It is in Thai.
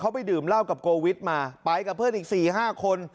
เขาไปดื่มเหล้ากับโกวิทมาไปกับเพื่อนอีก๔๕คน